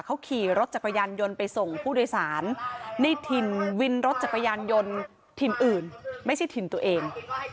เขาขี่รถจักรยานยนต์ไปส่งผู้โดยสารในถิ่นวินรถจักรยานยนต์ถิ่นอื่นไม่ใช่ถิ่นตัวเอง